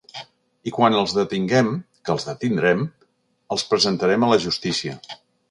I quan els detinguem -que els detindrem-, els presentarem a la justícia.